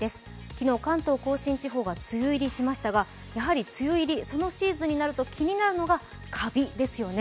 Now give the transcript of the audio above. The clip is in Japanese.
昨日、関東甲信地方が梅雨入りしましたが、やはり梅雨入り、そのシーズンになると気になるのがりカビですよね。